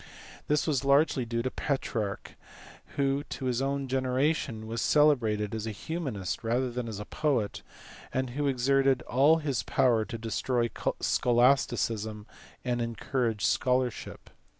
This was largely due to Petrarch, who to his own gene ration was celebrated as a humanist rather than as a poet, and who exerted all his power to destroy scholasticism, and encourage scholarship.